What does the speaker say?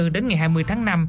đến ngày một mươi chín tháng năm